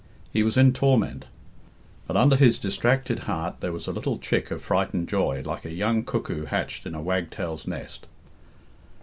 He was in torment. But under his distracted heart there was a little chick of frightened joy, like a young cuckoo hatched in a wagtail's nest.